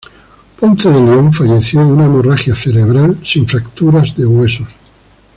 Ponce de León falleció de una hemorragia cerebral, sin fracturas de huesos.